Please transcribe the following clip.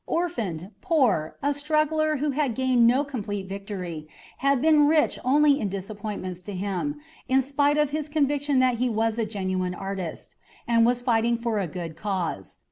Orphaned, poor, a struggler who had gained no complete victory, it had been rich only in disappointments to him, in spite of his conviction that he was a genuine artist, and was fighting for a good cause.